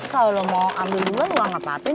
kalau lu mau ambil duluan lu angkat pati nih